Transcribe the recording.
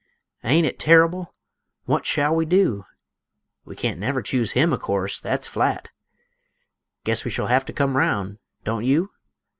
ain't it terrible? Wut shall we du? We can't never choose him, o' course, thet's flat; Guess we shall hev to come round (don't you?)